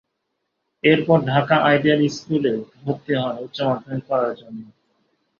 এরপর Dhaka ideal school এ ভর্তি হন উচ্চ মাধ্যমিক পড়াশোনার জন্য।